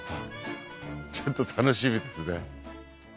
ちょっと楽しみですね。